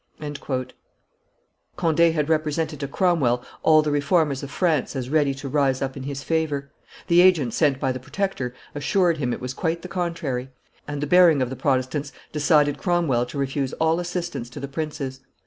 '" Conde had represented to Cromwell all the Reformers of France as ready to rise up in his favor; the agent sent by the Protector assured him it was quite the contrary; and the bearing of the Protestants decided Cromwell to refuse all assistance to the princes.